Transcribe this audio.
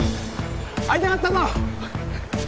会いたかったぞ！